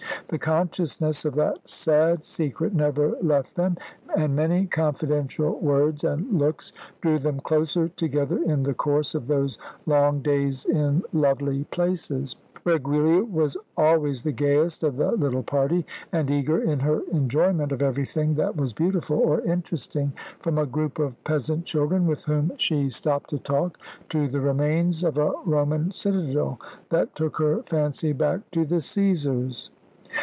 The consciousness of that sad secret never left them, and many confidential words and looks drew them closer together in the course of those long days in lovely places where Giulia was always the gayest of the little party, and eager in her enjoyment of everything that was beautiful or interesting, from a group of peasant children with whom she stopped to talk, to the remains of a Roman citadel that took her fancy back to the Cæsars.